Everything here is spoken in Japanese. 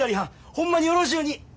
ほんまによろしゅうに！